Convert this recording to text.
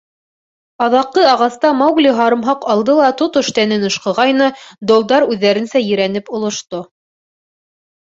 Аҙаҡҡы ағаста Маугли һарымһаҡ алды ла тотош тәнен ышҡығайны, долдар үҙҙәренсә ерәнеп олошто.